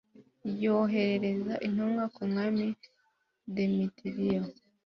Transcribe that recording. yohereza intumwa ku mwami demetiriyo